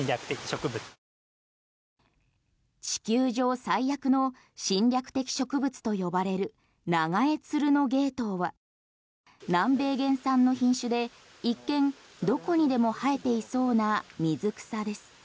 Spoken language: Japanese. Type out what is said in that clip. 地球上最悪の侵略的植物と呼ばれるナガエツルノゲイトウは南米原産の品種で一見、どこにでも生えていそうな水草です。